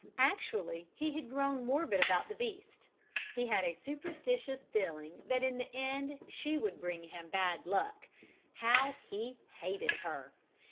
Actually, he had grown morbid about the beast; he had a superstitious feeling that in the end she would bring him bad luck. How he hated her!